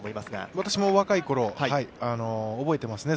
私も若い頃、覚えていますね